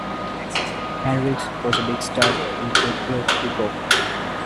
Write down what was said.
Hendricks was a big star in Puerto Rico.